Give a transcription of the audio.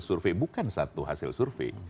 survei bukan satu hasil survei